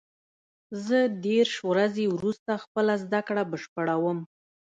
زه دېرش ورځې وروسته خپله زده کړه بشپړوم.